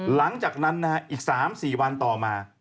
หลังจากนั้นนะฮะอีก๓๔วันต่อมา